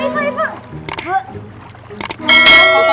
jangan masih di situ ya